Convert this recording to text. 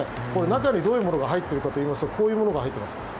中にどういうものが入っているかというとこういうものが入っています。